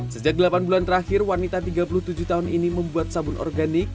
sejak delapan bulan terakhir wanita tiga puluh tujuh tahun ini membuat sabun organik